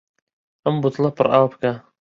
ئەم بوتڵە پڕ ئاو بکە.